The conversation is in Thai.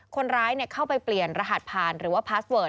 คนร้ายเข้าไปเปลี่ยนรหัสผ่านหรือว่าพาสเวิร์ด